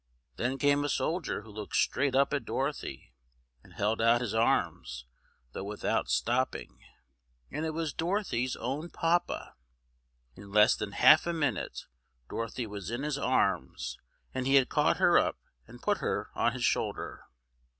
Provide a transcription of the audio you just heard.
Then came a soldier who looked straight up at Dorothy, and held out his arms, though without stopping. And it was Dorothy's own Papa! In less than half a minute Dorothy was in his arms, and he had caught her up, and put her on his shoulder.